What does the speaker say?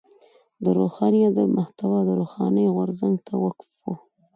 د روښاني ادب محتوا و روښاني غورځنګ ته وقف وه.